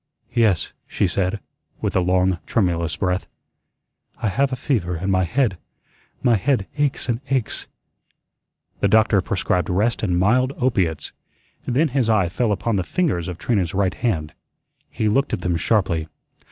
"Yes," she said, with a long, tremulous breath, "I have a fever, and my head my head aches and aches." The doctor prescribed rest and mild opiates. Then his eye fell upon the fingers of Trina's right hand. He looked at them sharply.